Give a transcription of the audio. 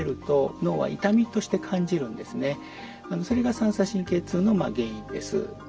それが三叉神経痛の原因です。